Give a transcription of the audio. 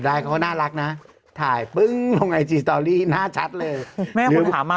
ไลน์เขาน่ารักน่ะถ่ายปึ้งลงหน้าชัดเลยแม่คุณถามมา